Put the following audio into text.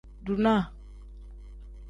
Dunaa.